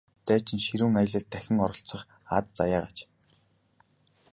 Дайчин ширүүн аялалд дахин оролцох аз заяагаач!